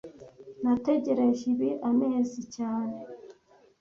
Nategereje ibi amezi cyane